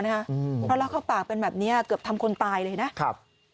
เพราะเล่าเข้าปากเป็นแบบนี้เกือบทำคนตายเลยนะครับ